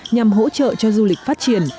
nhằm hỗ trợ cho du lịch phát triển